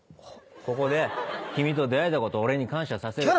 ここで君と出会えたことを俺に感謝させる。